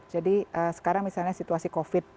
jadi sekarang misalnya situasi covid